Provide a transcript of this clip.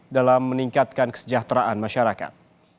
dalam meningkatkan kesejahteraan masyarakat